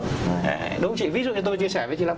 đúng không chị ví dụ như tôi chia sẻ với chị lâm